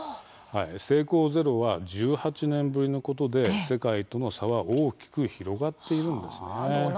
成功ゼロは１８年ぶりのことで世界との差は大きく広がっているんですね。